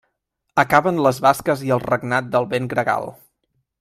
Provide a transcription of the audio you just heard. Acaben les basques i el regnat del vent gregal.